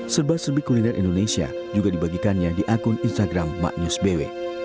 serba serbi kuliner indonesia juga dibagikannya di akun instagram maknyus bw